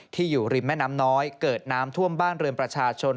อยู่ริมแม่น้ำน้อยเกิดน้ำท่วมบ้านเรือนประชาชน